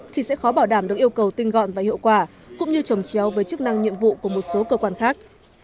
thì sẽ khó bảo đảm được yêu cầu tinh gọn và hiệu quả cũng như trồng chéo với chức năng nhiệm vụ của một số cơ quan khác